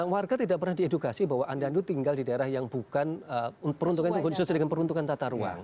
warga tidak pernah diedukasi bahwa anda tinggal di daerah yang bukan peruntukan tata ruang